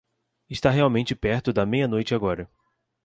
Está realmente perto da meia-noite agora.